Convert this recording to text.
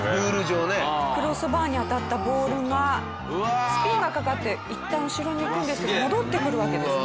クロスバーに当たったボールがスピンがかかっていったん後ろにいくんですが戻ってくるわけですね。